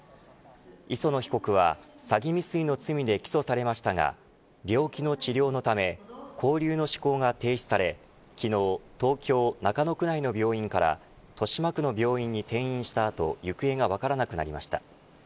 磯野被告は詐欺未遂の罪で起訴されましたが病気の治療のため勾留の執行が停止され昨日、東京、中野区内の病院から豊島区の病院に転院した後行方が分からなくなりました。